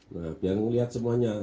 nah biar ngelihat semuanya